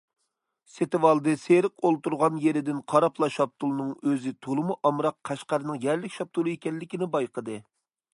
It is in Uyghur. سېتىۋالدى سېرىق ئولتۇرغان يېرىدىن قاراپلا شاپتۇلنىڭ ئۆزى تولىمۇ ئامراق قەشقەرنىڭ يەرلىك شاپتۇلى ئىكەنلىكى بايقىدى.